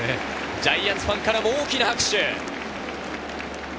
ジャイアンツファンからも大きな拍手。